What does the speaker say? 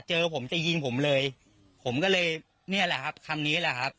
เจอผมจะยิงผมเลยผมก็เลยนี่แหละครับคำนี้แหละครับ